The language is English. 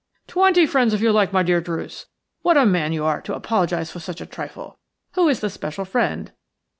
"Twenty friends, if you like, my dear Druce. What a man you are to apologize about such a trifle! Who is the special friend?"